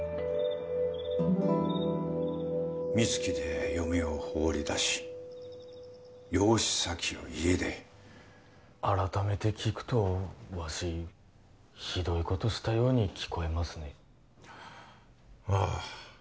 三月で嫁を放り出し養子先を家出改めて聞くとわしひどいことしたように聞こえますねああ